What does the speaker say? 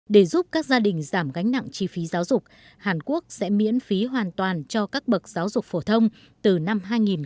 để giúp các gia đình giảm gánh nặng chi phí giáo dục hàn quốc sẽ miễn phí hoàn toàn cho các bậc giáo dục phổ thông từ năm hai nghìn hai mươi một